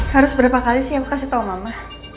harus berapa kali sih aku kasih tau mama